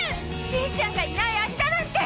しんちゃんがいない明日なんて。